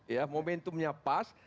ya momentumnya pas